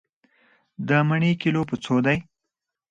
د مڼې کيلو په څو دی؟